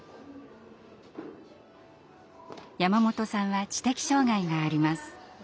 山本さんは知的障害があります。